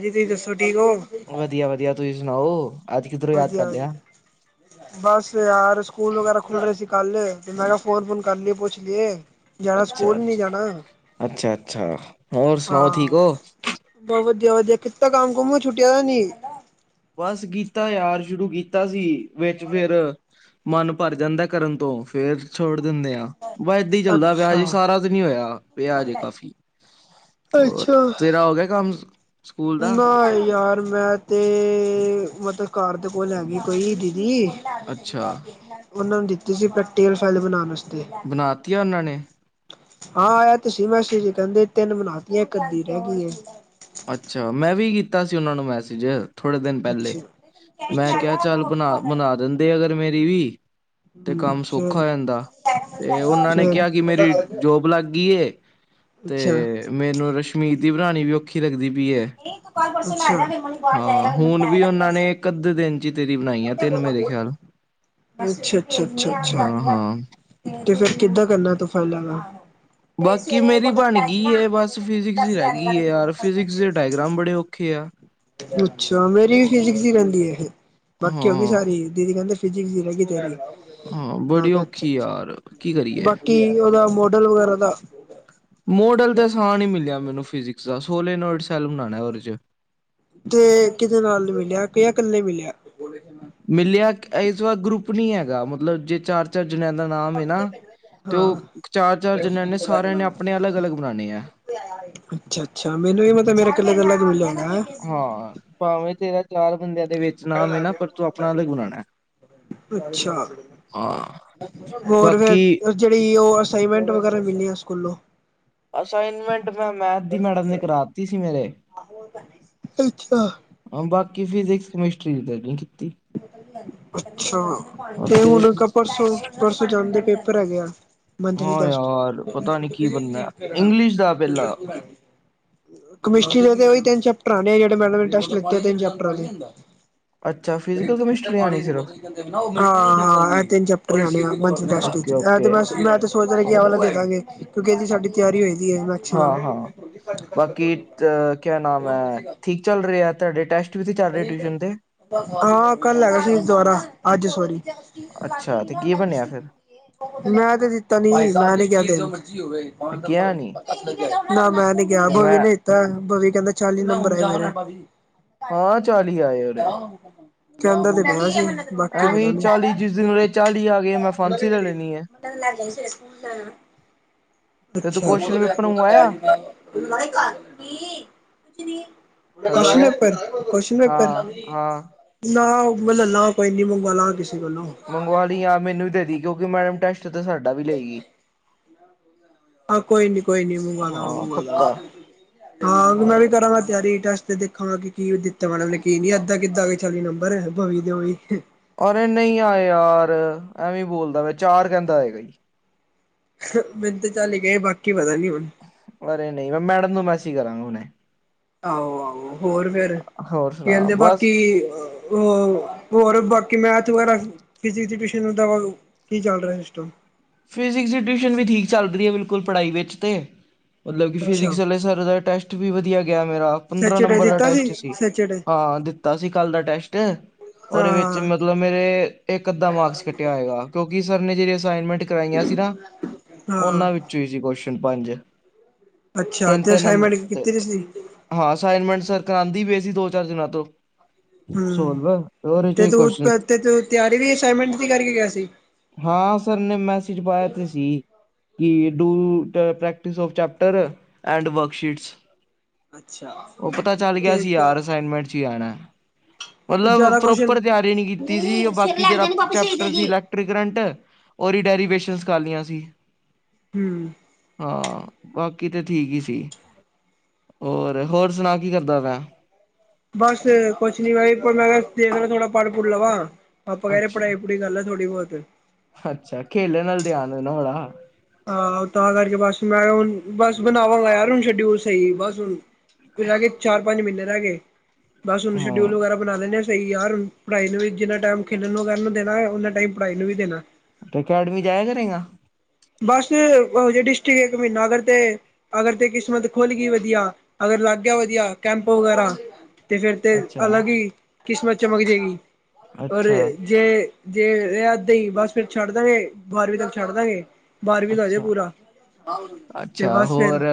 ਹਾਂਜੀ ਤੁਸੀਂ ਦੱਸੋ ਠੀਕ ਹੋ ਵਧੀਆ -ਵਧੀਆ ਤੁਸੀਂ ਸੁਣਾਓ ਅੱਜ ਕਿੱਧਰੋਂ ਯਾਦ ਹਾਂਜੀ- ਕਰ ਲਿਆ ਹਾਂਜੀ ਬਸ ਯਾਰ ਸਕੂਲ ਵਗੈਰਾ ਖੁੱਲ ਰਹੇ ਸੀ ਕੱਲ ਤੇ ਮੈਂ ਕਿਹਾ, ਫੋਨ ਫੁਨ ਕਰ ਲਈਏ ਪੁੱਛ ਲੀਏ ਜਾਣਾ ਅੱਛਾ ਸਕੂਲ ਨਹੀਂ ਜਾਣਾ ਅੱਛਾ ਅੱਛਾ ਹੋਰ ਸੁਣਾਓ ਠੀਕ ਹਾਂ ਹੋ ਬਸ ਵਧੀਆ, ਵਧੀਆ ਕੀਤਾ ਕੰਮ ਕੁੰਮ ਛੁੱਟੀਆਂ ਦਾ ਨੀ ਬਸ ਕੀਤਾ ਯਾਰ ਸ਼ੁਰੂ ਕੀਤਾ ਸੀ ਵਿੱਚ ਫੇਰ ਮਨ ਭਰ ਜਾਂਦਾ ਕਰਨ ਤੋਂ ਫੇਰ ਛੋੜ ਦਿੰਦੇ ਆਾਂ ਵਾ ਏਦਾਂ ਹੀ ਚੱਲਦਾ ਪਿਆ ਅੱਛਾ ਅਜੇ ਸਾਰਾ ਨੀ ਹੋਇਆ ਪਿਆ ਅਜੇ ਕਾਫ਼ੀ ਹੋਰ ਅੱਛਾ ਤੇਰਾ ਹੋ ਗਿਆ ਕੰਮ ਸਕੂਲ ਦਾ ਨਾ ਯਾਰ ਮੈਂ ਤੇ ਮਤਲਬ ਘਰ ਦੇ ਕੋਲ ਹੈਗੀ ਕੋਈ ਦੀਦੀ ਅੱਛਾ ਉਹਨਾਂ ਨੂੰ ਦਿੱਤੀ ਸੀ ਪ੍ਰੈਕਟੀਕਲ ਫਾਈਲ ਬਨਾਣ ਵਾਸਤੇ ਬਣਾ ਤੀ ਉਹਨਾਂ ਨੇ ਹਾਂ ਆਇਆ ਤੇ ਸੀ ਮੈਸੀਜ ਕਹਿੰਦੇ ਤਿੰਨ ਬਨਾਤੀਆਂ ਇਕ ਅਦੀ ਰਹਿ ਗਈ ਏ। ਅੱਛਾ ਮੈਂ ਵੀ ਕੀਤਾ ਸੀ ਉਹਨਾਂ ਨੂੰ ਮੈਸੇਜ ਥੋੜੇ ਦਿਨ ਪਹਿਲੇ ਅੱਛਾ ਮੈਂ ਅੱਛਾ ਕਿਹਾ ਚੱਲ ਬਨਾ ਬਨਾ ਦਿੰਦੇ ਅਗਰ ਮੇਰੀ ਵੀ ਤੇ ਕੰਮ ਸੌਖਾ ਹੋ ਜਾਂਦਾ ਤੇ ਉਹਨਾਂ ਅੱਛਾ ਨੇ ਕਿਹਾ ਕਿ ਅੱਛਾ ਮੇਰੀ ਜੋਬ ਲੱਗ ਗਈ ਏ ਅੱਛਾ ਤੇ ਮੈਨੂੰ ਰਸ਼ਮੀ ਦੀ ਬਨਾਣੀ ਵੀ ਔਖੀ ਲੱਗਦੀ ਪਈ ਏ ਇਹ ਕਲ ਪਰਸੋ [unintelligible] [unintelligible] ਹਾਂ ਹੁਨ ਵੀ ਉਹਨਾਂ ਨੇ ਇੱਕ ਅੱਧੇ ਦਿਨ ਤੇਰੀ ਬਨਾਇਆ ਤਿੰਨ ਮੇਰੇ ਖਿਆਲ ਅੱਛਾ ਅੱਛਾ ਹਾਂ, ਹਾਂ ਤੇ ਫੇਰ ਕਿੱਦਾਂ ਕਰਨਾ ਤੂੰ ਫਾਈਲਾਂ ਦਾ ਤੇ ਬਾਕੀ ਸਵੇਰੇ ਮੇਰੀ ਬੋਤਲ ਬਣ ਲੈ ਜ ਗਈ ਏ ਬਸ ਫਿਜਿਕਸ ਹੀ ਰਹਿ ਗਈ ਏ ਯਾਰ ਫਿਜਿਕਸ ਦੇ ਡਾਇਗ੍ਰਾਮ ਬੜੇ ਔਖੇ ਆ। [unintelligible] [unintelligible] ਅੱਛਾ ਮੇਰੀ ਵੀ ਫਿਜਿਕਸ ਦੀ ਰਹਿੰਦੀ ਏ। ਬਾਕੀ ਹੋ ਗਈ ਸਾਰੀ ਹਾਂ-ਹਾਂ ਦੀਦੀ ਕਹਿੰਦੇ ਫਿਜਿਕਸ ਦੀ ਰਹਿ ਗਈ ਤਿਆਰੀ ਹਾਂ ਬੜੀ ਔਖੀ ਯਾਰ ਕੀ ਕਰੀਏ ਕੀ ਉਹਦਾ ਮੋਡਲ ਵਗੈਰਾ ਦਾ ਮੋਡਲ ਤੇ ਆਸਾਨ ਹੀ ਮਿਲਿਆ ਮੈਨੂੰ ਫਿਜਿਕਸ ਦਾ ਸੋਲੇਨੋਇਡ ਸੈੱਲ ਬਨਾਣਾ ਉਹਦੇ ਚ ਤੇ ਕਿਦੇ ਨਾਲ ਮਿਲਿਆ ਜਾਂ ਇਕੱਲੇ ਮਿਲਿਆ। ਮਿਲਿਆ ਇਸ ਵਾਰ ਗਰੁੱਪ ਨੀ ਹੈਗਾ ਮਤਲਬ ਜੇ ਚਾਰ, ਚਾਰ ਜਣਿਆਂ ਦਾ ਨਾਮ ਏ ਨਾ ਤੇ ਹਾਂ ਉਹ ਚਾਰ, ਚਾਰ ਜਨ੍ਹਿਆ ਨੇ ਸਾਰਿਆਂ ਨੇ ਆਪਨੇ ਅਲੱਗ ਅਲੱਗ ਬਣਾਣੇ ਹੈ। ਅੱਛਾ ਅੱਛਾ ਮੈਨੂੰ ਵੀ ਮਤਲਬ ਮੇਰਾ ਇਕੱਲਾ ਇਕਲਾ ਦੁਰ ਜਾਂਦਾ ਹੈ। ਹਾਂ ਭਾਵੇਂ ਤੇਰਾ ਚਾਰ ਬੰਦਿਆਂ ਦੇ ਵਿੱਚ ਨਾਮ ਏ ਨਾ ਪਰ ਤੂੰ ਆਪਨਾ ਅਲਗ ਬਨਾਣਾ। ਅੱਛਾ ਹੋਰ ਬਾਕੀ ਫੇਰ ਜਿਹੜੀ ਉਹ ਅਸਾਈਨਮੈਂਟ ਵਗੈਰਾ ਮਿਲੀਆਂ ਸਕੂਲੋਂ ਅਸਾਈਨਮੈਂਟ ਮੈਂ ਮੈਥ ਦੀ ਮੈਡਮ ਨੇ ਕਰਾ ਤੀ ਸੀ ਮੇਰੇ ਅੱਛਾ। ਹਾਂ ਬਾਕੀ ਫਿਜਿਕਸ ਕਮਿਸਟਰੀ ਕੀਤੀ। [unintelligible] ਅੱਛਾ ਤੇ ਹੁਣ ਪਰਸੋਂ, ਪਰਸੋਂ ਜਾਂਦੇ ਪੇਪਰ ਹੈਗੇ। ਮੰਥਲੀ ਹਾਂ ਟੈਸਟ ਯਾਰ ਪਤਾ ਨੀ ਕੀ ਬਣਨਾ ਇੰਗਲਿਸ਼ ਦਾ ਪਹਿਲਾਂ [unintelligible] ਕਮਿਸਟਰੀ ਦੇ ਤੇ ੳਹੀ ਤਿੰਨ ਚੈਪਟਰ ਆਣੇ ਜਿੇਹੜੇ ਮੇਡਮ ਨੇ ਟੇਸਟ ਦਿਤੇ ਤਿੰਨ ਚੈਪਟਰਾਂ ਦੇ ਅੱਛਾ ਦੇ ਫਿਜ਼ਕਲ ਠੰਡੇ ਕਮਿਸਟਰੀ ਪਾਣੀ ਆਣੀ ਦੀ ਸਿਰਫ ਬੋਤਲ ਹਾਂ ਹਾਂ ਇਹ ਤਿੰਨ ਚੈਪਟਰਣੇ ਮੈਂ ਓਕੇ-ਓਕੇ [unintelligible] [unintelligible] ਸੋਚ ਰਹੇ ਕਿ ਆ ਔਰ ਵਾਲਾ ਦੇ ਦਾਂਗੇ ਕਿਉਂਕਿ ਇਹਦੀ ਸਾਡੀ ਤਿਆਰੀ ਹੇਗੀ ਏ। ਹਾਂ, ਹਾਂ ਬਾਕੀ ਅ ਕਿਆ ਨਾਮ ਹੈ ਠੀਕ ਚੱਲ ਰਿਹਾ ਤੁਹਾਡੇ ਟੈਸਟ ਵੀ ਤੇ ਚੱਲ ਰਹੇ ਟਿਊਸ਼ਨ ਦੇ ਹਾਂ ਕੱਲ ਹੈਗਾ ਸੀ ਦੁਬਾਰਾ ਅੱਜ ਸੋਰੀ ਅੱਛਾ ਤੇ ਕੀ ਬਣਿਆ ਫਿਰ ਮੈਂ ਤੇ ਦਿੱਤਾ ਨੀ ਸੀ ਮੈਂ ਕਿਹਾ ਤੇ ਗਿਆ ਨੀ [unintelligible] ਨਾ ਮੈਂ [unintelligible] ਨੀ ਕਿਹਾ ਤੇ ਬੋ ਵੀ ਮੈਂ ਨਹੀਂ ਇਹ ਬਵੀ ਕਹਿੰਦਾ ਚਾਲੀ ਨੰਬਰ ਆਏ ਮੇਰੇ ਹਾਂ ਚਾਲੀ ਆਏ ਉਰੇ ਕਹਿੰਦਾ ਤੇ ਬੜਾ ਸੀ। ਬਾਕੀ ਏਵੇ ਪਤਾ ਨੀ। ਚਾਲੀ ਜਿਸ ਦਿਨ ਆਰੇ ਚਾਲੀ ਆ ਗਏ ਮੈਂ ਫਾਂਸੀ ਲੈ ਲੈਣੀ ਆ। ਤਾਂ ਲੈ ਗਈ ਸੀ, ਸਕੂਲ ਜਾਣਾ। ਤੇ ਤੂੰ ਅਛਾ। ਕੁਸ਼ਚਨ ਪੇਪਰ ਮੰਗਵਾਇਆ hello question paper, question paper ਹਾਂ ਨਾ ਹਾਂ ਮੈ ਲੇਲਗਾ ਕੋਈ ਨੀ, ਮੰਗਂਵਾ ਲਾਂਗਾ ਕਿਸੇ ਕੋੱਲੋਂ। ਮੰਗਵਾ ਲਈ, ਆ ਮੈਨੂੰ ਵੀ ਦੇ ਦੀ, ਕਿਉਂਕਿ ਮੈਡਮ ਟੈਸਟ ਤੇ ਸਾਡਾ ਵੀ ਲਏਗੀ। ਹਾਂ, ਕੋਈ ਨੀ- ਕੋਈ ਨੀ, ਮੰਗਵਾ ਹਾਂ ਦਾਂਗਾ-ਮੰਗਵਾ ਪੱਕਾ ਦਾਂਗਾ, ਹਾਂ ਮੈਂ ਵੀ ਕਰਾਂਗਾ ਤਿਆਰੀ ਟੈਸਟ ਦੀ। ਖਾਂ ਕੇ ਕੀ ਦਿੱਤਾ ਮੈਡਮ ਨੇ, ਕੀ ਨੀ ਏੱਦਾਂ ਕਿੱਦਾਂ ਆ ਗਏ ਚਾਲੀ ਨੰਬਰ, ਬਾਈ ਦੇ ਓਵੀ। ਅਰੇ, ਨਹੀਂ ਆਏ ਯਾਰ ਐਵੇਂ ਬੋਲਦਾ ਵੈਂ, ਚਾਰ ਕਹਿੰਦਾ ਆਏ ਗਾਈ। ਮੈਨੂ ਤੇ ਚਾਲੀ ਕਏ, ਬਾਕੀ ਪਤਾ ਨੀ ਹੁਣ। ਅਰੇ ਨਹੀਂ, ਮੈਂ ਮੈਡਮ ਨੂੰ ਮੈਸੇਜ ਕਰਾਂਗਾ ਹੁਣੇ। ਆਹੋ- ਆਹੋ, ਹੋਰ ਫੇਰ? ਹੋਰ ਕੀ ਸੁਣਾ ਕਹਿੰਦੇ ਬਸ ਬਾਕੀ। ਹੋਰ, ਹੋਰ ਬਾਕੀ ਮੈਥ ਵਗੈਰਾ ਕਿਸੀ ਚ, ਕਿਸੀ ਨੂ ਟਿਊਸ਼ਨ ਲਗਵਾ ਦੋ, ਕੀ ਚੱਲ ਰਿਹਾ ਸਿਸਟਮ। ਫਿਜ਼ਿਕਸ ਦੀ ਟਿਊਸ਼ਨ ਵੀ, ਠੀਕ ਚੱਲ ਰਹੀ ਹੇ। ਬਿਲਕੁਲ, ਪੜਾਈ ਵਿੱਚ ਤੇ। ਮਤਲਬ ਕਿ ਅੱਛਾ ਫਿਜਿਕਸ ਆਲੇ, ਸਰ ਦਾ ਟੈਸਟ ਵੀ ਵਧੀਆ ਗਿਆ ਮੇਰਾ। ਪੰਦਰਾਂ ਸੈਚਰਡੇ ਨੰਬਰ ਦਾ ਦਿੱਤਾ ਟੈਸਟ ਸੀ, ਸੈਚਰਡੇ ਹਾਂ ਦਿੱਤਾ ਸੀ ਕੱਲ ਦਾ ਟੈਸਟ, ਉਹਦੇ ਵਿੱਚ ਹਾਂ ਮਤ ਮਤਲਬ, ਮੇਰੇ ਇਕ, ਅੱਧਾ ਮਾਰਕਸ ਕੱਟਿਆ ਹੋਏਗਾ, ਕਿਉਂਕਿ ਸਰ ਨੇ ਜਿਹੜੀ ਅਸਾਈਨਮੈਂਟ ਕਰਾਈਆਂ ਸੀ ਨਾ। ਹਾਂ ਉਹਨਾਂ ਵਿੱਚੋਂ ਹੀ ਸੀ ਕੁਸ਼ਚਨ ਪੰਜ। ਅੱਛਾ, ਤਿੰਨ ਤੇ ਤਿੰਨ ਅਸਨਮੈਂਟ ਨੰਬਰ ਕਿਥੇ ਤੇ ਸੀ। ਹਾਂ, ਅਸਾਈਨਮੈਂਟ ਸਰ ਕਰਾਉਂਦੇ ਪੇਣੇ ਸੀ, ਦੋ, ਚਾਰ ਦਿਨਾਂ ਤੋਂ। ਹੂੰ, ਸੋਲਵ ਉਹਦੇ ਚੋਂ ਤੇ ਹੀ ਤੂੰ, ਕੁਸ਼ਚਨ ਤੇ ਤੂੰ ਤਿਆਰੀ ਵੀ ਅਸਾਈਨਮੈਂਟ ਦੀ ਕਰਕੇ ਗਿਆ ਸੀ। ਹਾਂ, ਸਰ ਨੇ ਮੈਸੇਜ ਪਾਇਆ ਤੇ ਸੀ। ਕੀ, do practice of chapter, and worksheets. ਅੱਛਾ ਉਹ, ਪਤਾ ਚੱਲ ਗਿਆ ਸੀ, ਤੇ ਯਾਰ ਅਸਾਈਨਮੈਂਟ ਚ ਹੀ ਆਣਾ। ਤੇ ਮਤਲਬ, ਜ਼ਿਆਦਾ ਕੁਸ਼ਚਨ ਪ੍ਰੋਪਰ ਤਿਆਰੀ ਨੀ ਕੀਤੀ ਸੀ, ਬਾਕੀ ਜਿਹੜਾ ਚੈਪਟਰ ਸੀ ਟਰੀ ਗਰੰਟ, ਓਰੀ ਡੈਰੀਵੇਸ਼ਨਸ ਕਰ ਲੀਆਂ ਸੀ। ਹੂੰ। ਹਾਂ, ਬਾਕੀ ਤੇ ਠੀਕ ਹੀ ਸੀ। ਹੋਰ, ਹੋਰ, ਸੁਣਾ ਕੀ ਕਰਦਾ ਪੇਂਆ। ਬੱਸ ਕੁਛ ਨੀ, ਮੈਂ ਕਿਹਾ ਦੇਖ ਲਾਂਗੇ ਥੋੜਾ ਪੜ- ਪੁੜ ਲਵਾ, ਪਾਪਾ ਕਿਹਰੇ ਅੱਛਾ ਪੜਾਈ ਪੜੂ ਈ ਕਰ ਲੈ ਥੋੜੀ ਬਹੁਤ। ਅੱਛਾ, ਖੇਲਣ ਨਲ ਧਿਆਨ ਹੇ ਨਾ ਬੜਾ। ਹਾਂ, ਤਾਂ ਕਰਕੇ ਬਸ, ਮੈਂ ਹੁਣ ਬਸ ਬਣਾਵਾਂਗਾ ਯਾਰ, ਹੁਣ ਸ਼ਡਿਊਲ ਸਹੀ ਬਸ ਹੁਣ। ਰਹਿ ਗੇ ਚਾਰ, ਪੰਜ ਮਹੀਨੇ ਰਹਿ ਗੇ, ਬਸ ਹੁਣ ਹਾਂ ਸ਼ਡਿਊਲ ਵਗੈਰਾ ਬਣਾ ਲੇਣੇ ਆ। ਸਹੀ ਯਾਰ, ਪੜਾਈ ਨੂੰ ਵੀ, ਜਿੰਨਾ ਟਾਈਮ ਖੇਡਣ ਨੂੰ ਦੇਣਾ ਹੈ, ਉਹਨਾ ਟਾਈਮ ਪੜਾਈ ਨੂੰ ਵੀ ਦੇਣਾ। ਅਕੈਡਮੀ ਜਾਇਆ ਕਰੇਂਗਾ। ਬਸ, ਉਹ ਹਜੇ ਡਿਸਟ੍ਰਿਕ ਇੱਕ ਮਹੀਨਾ ਅਗਰ ਤੇ। ਅਗਰ ਤੇ ਕਿਸਮਤ ਖੁੱਲ ਗਈ ਵਧੀਆ, ਅਗਰ ਲੱਗ ਗਿਆ ਵਧੀਆ, ਕੈਂਪ ਵਗੈਰਾ। ਤੇ, ਫੇਰ ਤੇ ਅੱਛਾ ਅਲੱਗ ਹੀ ਕਿਸਮਤ ਚਮਕ ਜਏਗੀ, ਪਰ ਅੱਛਾ ਏ ਜੇ, ਜੇ ਰੇਹਾ ਅੱਦਾਂ ਹੀ ਬਸ ਫੇਰ ਛੱਡ ਦਾਂਗੇ, ਬਾਰਵੀਂ ਤੱਕ ਛੱਡ ਦਾਂਗੇ। ਬਾਰਵੀਂ ਦਾ ਹੋ ਜੇ ਅੱਛਾ। ਪੂਰਾ ਤੇ ਅੱਛਾ, ਬਸ ਫਿਰ ਹੋਰ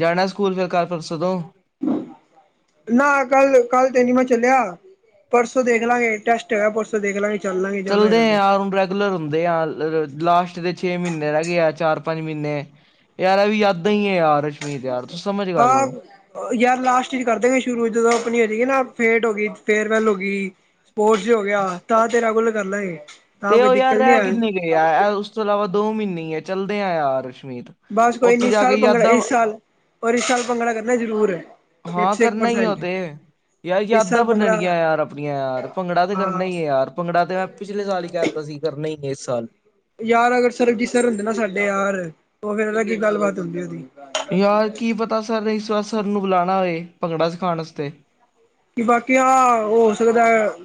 ਜਾਣਾ ਸਕੂਲ ਫੇਰ ਕਲ ਪਰਸੋਂ ਤੋਂ। ਨਾ, ਕੱਲ, ਕੱਲ ਤੇ ਨੀ ਮੈਂ ਚੱਲਿਆ। ਪਰਸੋਂ ਦੇਖ ਲਾਂਗੇ ਟੈਸਟ ਤੇਰਾ ਪਰਸੋ ਦੇਖ ਲਾਂਗੇ ਚਲ ਲਾਂਗੇ, ਜਾਣਾ ਹੇਗਾ ਤੇ। ਲਰ ਰੁਂਦੇ ਆ ਲਾਸਟ ਦੇ, ਛੇ ਮਹੀਨੇ ਰਹ ਗਏ ਆ। ਚਾਰ, ਪੰਜ, ਮਹੀਨੇ। ਯਾਰ, ਅਵੀ ਯਾਦਾਂ ਹੀ, ਏ ਯਾਰ। ਨਹੀ ਯਾਰ, ਤੂ ਸਮਝ। ਗੱਲ ਹਾਂ। ਨੂੰ ਯਾਰ ਲਾਸਟ ਇਚ ਕਰ ਦੇਗੇ ਸ਼ੁਰੂ, ਜਦੋਂ ਆਪਣੀ ਹੋ ਜਾਏਗੀ ਨਾ ਫੇਟ ਹੋ ਗਈ, ਫੇਅਰਵੈਲ ਹੋ ਗਈ। [unintelligible] ਹੋ ਗਿਆ। ਤਾਂ ਰੈਗੂਲਰ ਕਰ ਲਾਂਗੇ। ਤਾਂ ਤੇ ਕੋਈ ਉਹ ਯਾਰ ਦਿੱਕਤ ਨੀ ਰਹਿ ਹੈ ਕਿੰਨੇ ਗਏ ਆ, ਉਸ ਤੋਂ ਇਲਾਵਾ ਦੋ ਮਹੀਨੇ ਈਏ, ਚੱਲਦੇ ਆ ਯਾਰ ਰਸ਼ਮੀਤ। ਬਾਸ ਕੋੋਇ ਨੀ, ਇਸ ਸਾਲ ਪੰੰਗੜਾ ਏ, ਇਸ ਸਾਲ। ਪਰ ਇਸ ਸਾਲ ਭੰਗੜਾ ਕਰਨਾ ਜ਼ਰੂਰ ਏ, ਇੱਕ ਹਾਂ ਸੌ ਇੱਕ ਕਰਨਾ ਹੀ ਆ ਉਹ ਪਰਸੈਂਟ। ਤੇ ਯਾਰ, ਇਸ ਯਾਦਾਂ ਸਾਲ ਭੰਗੜਾ ਬਨਣਗੀਆਂ ਯਾਰ, ਆਪਣੀਆਂ ਯਾਰ, ਭੰਗੜਾ ਤੇ ਕਰਨਾ ਹਾਂ ਹੀ ਹੈ ਯਾਰ। ਭੰਗੜਾ, ਤੇ ਮੈਂ ਪਿਛਲੇ ਸਾਲ ਹੀ ਕਹਿ ਤਾ ਸੀ, ਕਰਨਾ ਹੀ ਏ ਇਸ ਸਾਲ। ਯਾਰ ਅਗਰ, ਸਰਬਜੀਤ ਸਰ ਹੁੰਦੇ ਨਾ ਸਾਡੇ ਯਾਰ, ਉਹ ਫਿਰ ਅਲੱਗ ਹੀ ਗੱਲਬਾਤ ਹੁੰਦੀ ਉਹਦੀ। ਯਾਰ ਕੀ ਪਤਾ ਸਰ ਇਸ ਵਾਰ ਸਰ ਨੂੰ ਬੁਲਾਉਣਾ ਹੋਵੇ ਭੰਗੜਾ ਸਿਖਾਉਣ ਵਾਸਤੇ। ਕਿ ਬਾਕੀ ਹਾਂ ਹੋ ਸਕਦਾ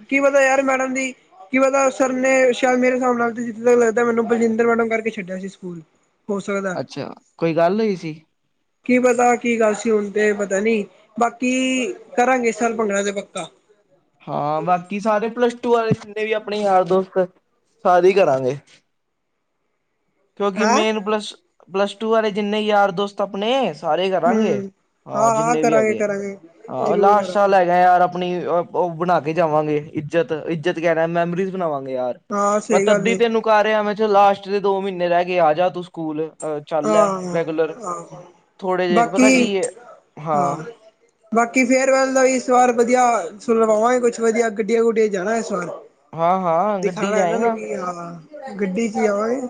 ਕੀ ਪਤਾ ਯਾਰ ਮੈਡਮ ਦੀ ਕੀ ਪਤਾ ਸਰ ਨੇ ਸ਼ਾਇਦ ਮੇਰੇ ਹਿਸਾਬ ਨਾਲ ਜਿੱਥੇ ਤੱਕ ਲੱਗਦਾ ਮੈਨੂੰ ਬਲਜਿੰਦਰ ਮੈਡਮ ਕਰਕੇ ਛੱਡਿਆ ਸੀ ਸਕੂਲ। ਹੋ ਸਕਦਾ ਅੱਛਾ, ਕੋਈ ਗੱਲ ਹੋਈ ਸੀ? ਕੀ ਪਤਾ ਕੀ ਗੱਲ ਸੀ ਹੁਣ ਤੇ ਪਤਾ ਨੀ ਬਾਕੀ ਕਰਾਂਗੇ ਇਸ ਸਾਲ ਭੰਗੜਾ ਦੇ ਪੱਕਾ। ਹਾਂ ਬਾਕੀ ਸਾਰੇ ਪਲੱਸ ਟੂ ਵਾਲੇ ਜਿੰਨੇ ਵੀ ਆਪਣੇ ਯਾਰ ਦੋਸਤ ਸਾਰੇ ਕਰਾਂਗੇ। ਕਿਉਂਕਿ ਹੈਂ ਮੇਨ ਪਲੱਸ ਪਲੱਸ ਟੂ ਵਾਲੇ ਜਿੰਨੇ ਯਾਰ ਦੋਸਤ ਆਪਣੇ। ਸਾਰੇ ਕਰਾਂਗੇ ਹੂੰ ਹਾਂ ਜਿੰਨੇ ਵੀ ਕਰਾਂਗੇ ਹੈਗੇ ਕਰਾਂਗੇ ਆ ਜ਼ਰੂਰ ਲਾਸਟ ਸਾਲ ਕਰਾਂਗੇ ਹੈਗਾ ਯਾਰ। ਆਪਣੀ ਉਹ ਬਣਾ ਕੇ ਜਾਵਾਂਗੇ। ਇੱਜ਼ਤ ਇੱਜ਼ਤ ਕਹਿ ਰਿਹਾ ਮੈਮਰੀਜ਼ ਬਣਾਵਾਂਗੇ ਯਾਰ। ਹਾਂ ਮੈਂ ਸਹੀ ਗੱਲ ਤੱਦੀ ਏ ਤੈਨੂੰ ਕਰ ਰਿਹਾ ਮੈਂ ਕਿਹਾ ਲਾਸਟ ਦੇ ਦੋ ਮਹੀਨੇ ਰਹਿ ਗਏ ਆ ਜਾ ਤੂੰ ਸਕੂਲ। ਅ ਚੱਲ ਹੈ ਹਾਂ ਰੈਗੂਲਰ ਹਾਂ ਥੋੜੇ ਜਿਹੇ ਪਤਾ ਕੀ ਬਾਕੀ ਏ ਹਾਂ। ਬਾਕੀ ਫੇਅਰ ਵੈਲ ਦਾ ਇਸ ਵਾਰ ਵਧੀਆ ਸੁਣਵਾਵਾਂਗੇ ਕੁਛ ਵਧੀਆ ਗੱਡੀਆਂ ਗੁਡੀਆਂ ਜਾਣਾ ਇਸ ਵਾਰ। ਹਾਂ ਹਾਂ ਗੱਡੀ ਦਿਖਾਣਾ ਇਹਨਾਂ ਨੂੰ ਲਿਆਏਗਾ ਕੀ ਹਾਂ ਗੱਡੀ ਵਿੱਚ ਆਵਾਗੇ।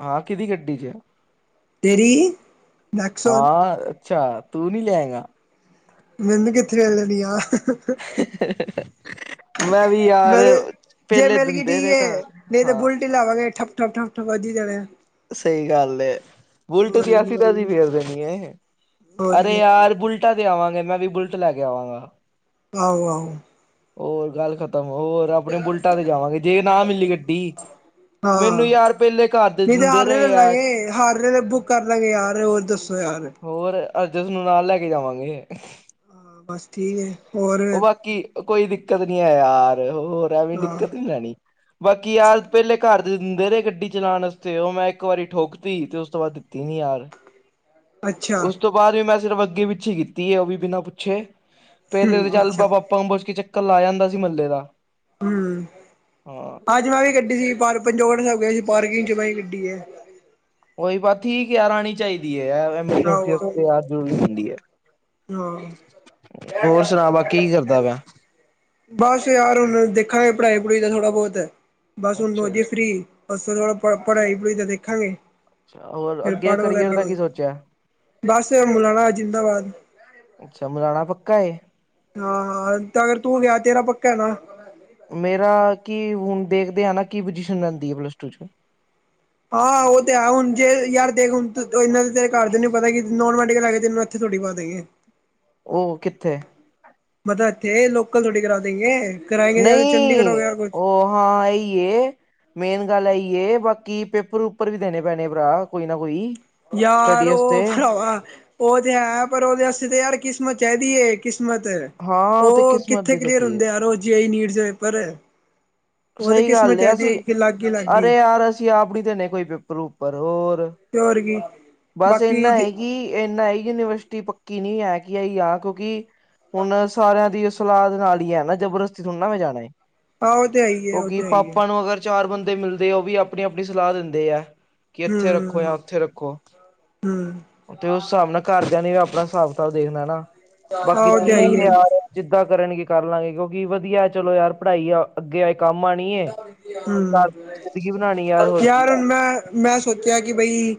ਹਾਂ ਕਿਦੀ ਗੱਡੀ ਚ ਆ। ਤੇਰੀ ਨੈਕਸੋਨ ਹਾਂ, ਅੱਛਾ ਤੂੰ ਨਹੀਂ ਲਿਆਏਂਗਾ? ਮੈਨੂੰ ਕਿੱਥੇ ਵੇ ਲੈਣੀ ਆ। [unintelligible] ਮੈਂ ਵੀ ਯਾਰ ਮੈਂ ਤੇ ਪਹਿਲੇ ਦਿੰਦੇ ਰਹੇ ਘਰ ਹਾਂ। ਲਾਵਾਗੇ ਠੱਪਠੱ ਠੱਪਠੱਪ ਵੱਜ ਹੀ ਜਾਣਾ। ਸਹੀ ਗੱਲ ਹੈ ਬੁਲਟ ਦੀ ਕੀ ਐਸੀ ਤੈਸੀ ਫੇਰ ਦੇਣੀ ਹੈ ਹੋਰ ਅਰੇ ਕੀ ਯਾਰ ਬੁਲਟ। ਬਟਾਂ ਤੇ ਆਵਾਂਗੇ ਮੈਂ ਵੀ ਬੁਲਟ ਲੈ ਕੇ ਆਵਾਂਗਾ। ਆਹੋ ਆਹੋ। ਹੋਰ ਗੱਲ ਖਤਮ। ਤਾਂ ਹੋਰ ਆਪਣੇ ਬੁਲਟਾਂ ਤੇ ਜਾਵਾਂਗੇ ਜੇ ਨਾ ਮਿਲੀ ਗੱਡੀ ਮੈਨੂੰ ਹਾਂ ਯਾਰ ਪਹਿਲੇ ਘਰ। ਦੇ ਨਹੀਂ ਤੇ ਦਿੰਦੇ ਹਾਰ ਰਹੇ ਲੈ ਆ ਲਾਂਗੇ ਹਾਰ ਰਹੇ ਬੁੱਕ ਕਰ ਲਾਂਗੇ ਯਾਰ ਹੋਰ ਦੱਸੋ ਯਾਰ। ਹੋਰ ਅਜ ਉਸ ਨੂੰ ਨਾਲ ਲੈ ਕੇ ਜਾਵਾਂਗੇ। ਹਾਂ ਬਸ ਠੀਕ ਹੈ ਹੋਰ? ਬਾਕੀ ਉਹ ਕੋਈ ਦਿੱਕਤ ਨੀ ਹੈ ਯਾਰ ਹੋਰ ਐਵੇਂ ਹਾਂ ਦਿੱਕਤ ਨੀ ਲੈਣੀ। ਬਾਕੀ ਯਾਰ ਪਹਿਲੇ ਘਰ ਦੇ ਦਿੰਦੇ ਰਹੇ ਗੱਡੀ ਚਲਾਉਣ ਵਾਸਤੇ ਉਹ ਮੈਂ ਇੱਕ ਵਾਰੀ ਠੋਕਤੀ ਤੇ ਉਸ ਤੋਂ ਬਾਅਦ। ਦਿੱਤੀ ਨਹੀਂ ਯਾਰ। ਅੱਛਾ ਉਸ ਤੋਂ ਬਾਅਦ ਵੀ ਮੈਂ ਸਿਰਫ ਅੱਗੇ ਪਿੱਛੇ ਕੀਤੀ ਹੈ ਉਹ ਵੀ ਬਿਨਾਂ ਪੁੱਛੇ ਪਹਿਲੇ ਤਾਂ ਹੂੰ ਚੱਲ ਅੱਛਾ ਪਾਪਾ। ਪਾਪਾ ਨੂੰ ਪੁੱਛ ਕੇ ਚੱਕਰ ਲਾ ਜਾਂਦਾ ਸੀ ਮਹੱਲੇ ਦਾ। ਹਮ ਹਾਂ ਅੱਜ ਮੈਂ ਵੀ ਗੱਡੀ ਸੀ ਪੰਜੋੜ ਹੋ ਗਿਆ ਸੀ ਪਾਰਕਿੰਗ ਚ ਮੈਂ ਗੱਡੀ ਹੈ। ਉਹੀ ਬਸ ਠੀਕ ਆ ਯਾਰ ਆਉਣੀ ਚਾਹੀਦੀ ਹੈ ਐਮਰਜਸੀ ਆਹੋ ਆਹੋ ਯਾਰ ਜ਼ਰੂਰੀ ਹੁੰਦੀ ਹੈ। ਹਾਂ ਹੋਰ ਸੁਣਾ ਬਾਕੀ ਕੀ ਕਰਦਾ ਵੈਂ। ਬਸ ਯਾਰ ਹੁਣ ਦੇਖਾਂਗੇ ਪੜ੍ਹਾਈ ਪੜ੍ਹੁਈ ਦਾ ਥੋੜਾ ਬਹੁਤ ਬਸ ਹੁਣ ਹੋ ਅੱਛਾ ਗਏ ਅੱਛਾ। ਫ੍ਰਰੀ। ਅਸ ਪ ਪੜ੍ਹਾਈ ਪੜ੍ਹੂਈ ਤਾਂ ਦੇਖਾਂਗੇ ਸੁਣਾਓ ਹੋਰ ਫਿਰ ਅੱਗੇ ਪੜ੍ਹ ਵਗੈਰਾ ਕਰੀਅਰ ਦਾ ਕੀ ਲਵਾਂਗੇ ਸੋਚਿਆ। ਬਸ ਮੁਲਾਣਾ ਜਿੰਦਾਬਾਦ। ਅੱਛਾ, ਮੁਲਾਣਾ ਪੱਕਾ ਹੈ? ਹਾਂ ਹਾਂ ਤੇ ਅਗਰ ਤੂੰ ਗਿਆ ਤੇਰਾ ਪੱਕਾ ਨਾ। ਮੇਰਾ ਕੀ ਹੁਣ ਦੇਖਦੇ ਆ ਨਾ ਕੀ ਪੁਜੀਸ਼ਨ ਰਹਿੰਦੀ ਹੈ ਪਲੱਸ ਟੂ ਚ ਹਾਂ ਉਹ ਤੇ ਹੈ ਹੁਣ ਜੇ ਯਾਰ ਦੇਖ ਹੁਣ ਇਨਾਂ ਤੇਰੇ ਘਰ ਦਿਆਂ ਨੂੰ ਪਤਾ ਕਿ ਨੋਨ। ਕਰਾ ਕੇ ਤੈਨੂੰ ਇਥੇ ਥੋੜੀ ਬਾ ਦੇਣਗੇ। ਉਹ ਕਿੱਥੇ ਮਤਲਬ ਇੱਥੇ ਲੋਕਲ ਥੌੜੀ ਕਰਾ ਦੇਂਗੇ। ਕਰਾਏਂਗੇ ਜਾਂ ਚੰਡੀਗੜ੍ਹ ਹੋ ਨਹੀਂ ਗਿਆ ਕੁਛ ਉਹ ਹਾਂ ਇਹ ਹੀ ਏ। ਮੇਨ ਗੱਲ ਇਹ ਈ ਏ ਬਾਕੀ ਪੇਪਰ ਪੁਪਰ ਵੀ ਦੇਣੇ ਪੈਣੇ ਭਰਾ ਕੋਈ ਨਾ ਕੋਈ ਯਾਰ ਸਟੱਡੀ ਉ ਵਾਸਤੇ ਖਰਾਵਾ ਉਹ ਤੇ ਹੈ ਪਰ ਉਦੇ ਆਸਤੇ ਤਾਂ ਯਾਰ ਕਿਸਮਤ ਚਾਈਦੀ ਏ ਕਿਸਮਤ ਹਾਂ ਉਹ ਤੇ ਉ ਕਿਸਮਤ ਕਿੱਥੇ ਦੀ ਕਲੀਅਰ ਲਿਖੀ ਹੁੰਦੇ ਹੈ। ਯਾਰ ਉ ਚੇ ਆਈ ਨੀਟਸ‌ ਦੇ ਪੇਪਰ ਉ ਤੇ ਸਹੀ ਕਿਸਮਤ ਗੱਲ ਚਾਈਦੀ ਅਸੀਂ ਏ ਕਿ ਲੱਗ ਗੀ ਲੱਗ ਗੀ ਅਰੇ ਯਾਰ ਅਸੀਂ ਆਪ ਣੀ ਦੇਣੇ ਕੋਈ ਪੇਪਰ ਪੁਪਰ ਹੋਰ ਤੇ ਹੋਰ ਕੀ ਬਸ ਬਾਕੀ ਇੰਨਾ ਏ ਕਿ ਇਨਾ ਯੂਨੀਵਰਸਿਟੀ ਪੱਕੀ ਨੀ ਹੈ ਕਿ ਆ ਆ ਕਿਉਂਕਿ ਹੁਣ ਸਾਰਿਆਂ ਦੀ ਸਲਾਹ ਦੇ ਨਾਲ ਈ ਹੈ ਨਾ ਜਬਰਦਸਤੀ ਥੋੜ ਨਾ ਮੈਂ ਜਾਣਾ ਈ- ਆਹ ਉਹ ਤੇ ਹੈ ਹੀ ਹੈ ਉਹ ਕਉਕਿ ਤੇ ਹੈ ਹੀ ਹੈ ਪਾਪਾ ਨੂੰ ਅਗਰ ਚਾਰ ਬੰਦੇ ਮਿਲਦੇ ਆ ਉਹ ਵੀ ਆਪਣੀ-ਆਪਣੀ ਸਲਾਹ ਦਿੰਦੇ ਹੈ ਕਿ ਇੱਥੇ ਰੱਖੋ ਜਾਂ ਉੱਥੇ ਰੱਖੋ ਹੂੰ ਤੇ ਉਸ ਸਾਬ ਨਾਲ ਘਰਦਿਆਂ ਨੇ ਆਪਣਾ ਹਿਸਾਬ ਕਤਾਬ ਦੇਖਣਾ ਨਾ ਆਹ ਬਾਕੀ ਉਹ ਤੇ ਹੈ ਹੀ ਠੀਕ ਏ ਯਾਰ ਜਿੱਦਾਂ ਕਰਨਗੇ ਕਰ ਲਾਂਗੇ ਕਿਉਂਕਿ ਵਧੀਆ ਚਲੋ ਯਾਰ ਪੜ੍ਹਾਈ ਆ ਅੱਗੇ ਕੰਮ ਆਣੀ ਏ ਹੈ ਤਾ ਹਮ ਜ਼ਿੰਦਗੀ ਬਣਾਣੀ ਯਾਰ ਹੋਰ ਕੀ ਐ ਹੁਣ ਮੈਂ ਮੈਂ ਸੋਚਿਆ ਕਿ ਬਈ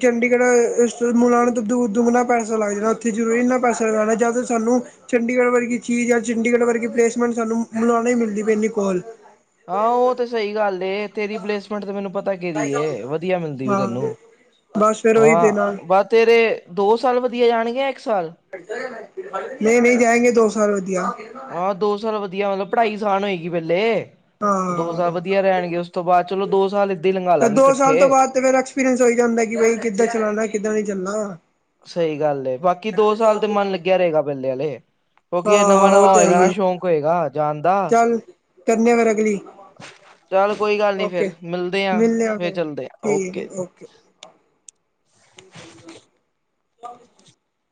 ਚੰਡੀਗੜ੍ਹ ਮੁਲਾਉਣ ਤੋਂ ਦੂ-ਦੂਰਾਣਾ ਪੈਸਾ ਲੱਗ ਜਾਣਾ ਉੱਥੇ ਜ਼ਰੂਰੀ ਨਾ ਪੈਸਾ ਲਗਾਣਾ ਜਦ ਸਾਨੂੰ ਚੰਡੀਗੜ੍ਹ ਵਰਗੀ ਚੀਜ਼ ਜਾਂ ਚੰਡੀਗੜ੍ਹ ਵਰਗੀ ਪਲੇਸਮੈਂਟ ਸਾਨੂੰ ਮੋਲਾਣੇ ਹੀ ਮਿਲਦੀ ਪਈ ਇਨੀ ਕੋਲ ਹਾਂ ਉਹ ਤੇ ਸਈ ਗੱਲ ਏ ਤੇਰੀ ਪਲੇਸਮੈਂਟ ਤੇ ਮੈਨੂੰ ਪਤਾ ਦੀ ਵਧੀਆ ਮਿਲਦੀ ਵੀ ਹਾਂ ਤੈਨੂੰ ਬਸ ਫਿਰ ਉਹੀ ਤੇ ਹਾਂ ਨਾਲ ਬਸ ਤੇਰੇ ਦੋ ਸਾਲ ਵਧੀਆ ਜਾਣਗੇ ਯਾ ਇੱਕ ਸਾਲ ਨਹੀ-ਨਹੀ ਜਾਏਂਗੇ ਦੋ ਸਾਲ ਵਧੀਆ ਆ ਦੋ ਸਾਲ ਵਧੀਆ ਮਤਲਬ ਪੜ੍ਹਾਈ ਆਸਾਨ ਹੋਏਗੀ ਪੇਹਲੇ ਦੋ ਸਾਲ ਹਾਂ ਵਧੀਆ ਰਹਿੰਗੇ ਉਸ ਤੋਂ ਬਾਅਦ ਚੱਲੋ ਦੋ ਸਾਲ ਹੀ ਲੰਘਾ ਤਾਂ ਲਾਂਗੇ ਦੋ ਸਾਲ ਤੋਂ ਇਕੱਠੇ ਬਾਦ ਫਿਰ ਐਕਸਪੀਰੀੰਸ ਹੋਈ ਜਾਂਦਾ ਕਿ ਬਈ ਕਿੱਦਾਂ ਚੱਲਣਾ ਕਿੱਦਾਂ ਨੀ ਚੱਲਣਾ ਸਹੀ ਗੱਲ ਏ ਬਾਕੀ ਦੋ ਸਾਲ ਤੇ ਮਨ ਲੱਗਿਆ ਰਏਗਾ ਪੇਲੇ ਵਾਲੇ ਹਾਂ ਹੋਏਗਾ ਨਾ ਸ਼ੌਕ ਹੋਏਗਾ ਜਾਨ ਦਾ ਕਰਣੇ ਆ ਫਿਰ ਅਗਲੀ ਚੱਲ ਕੋਈ ਗੱਲ ਨੀ ਫੇਰ ਓਕੇ ਮਿਲਦੇ ਆ ਫਿਰ ਚੱਲਦੇ ਆ ਓਕੇ ਠ [inaudible]